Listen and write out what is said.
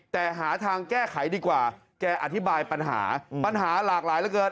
แต่หาทางแก้ไขดีกว่าแกอธิบายปัญหาปัญหาหลากหลายเหลือเกิน